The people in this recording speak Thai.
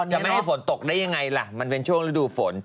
จะไม่ให้ฝนตกได้ยังไงล่ะมันเป็นช่วงฤดูฝน